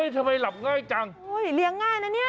ที่เวลากลายจัง